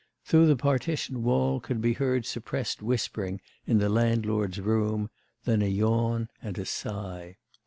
Through the partition wall could be heard suppressed whispering in the landlord's room, then a yawn, and a sigh.